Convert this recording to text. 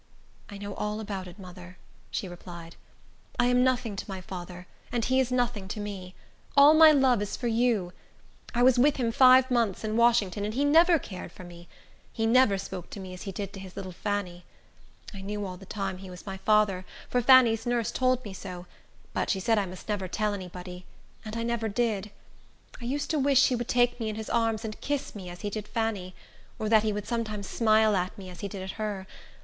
"I know all about it, mother," she replied; "I am nothing to my father, and he is nothing to me. All my love is for you. I was with him five months in Washington, and he never cared for me. He never spoke to me as he did to his little Fanny. I knew all the time he was my father, for Fanny's nurse told me so, but she said I must never tell any body, and I never did. I used to wish he would take me in his arms and kiss me, as he did Fanny; or that he would sometimes smile at me, as he did at her.